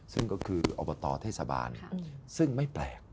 ซึ่งก็คืออบตเทศบาลซึ่งไม่แปลก